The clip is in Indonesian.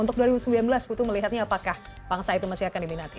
untuk dua ribu sembilan belas putu melihatnya apakah bangsa itu masih akan diminati